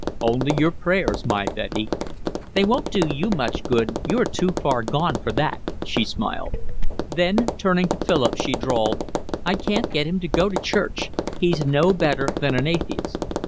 "Only your prayers, my Betty." "They won't do you much good, you're too far gone for that," she smiled. Then, turning to Philip, she drawled: "I can't get him to go to church. He's no better than an atheist."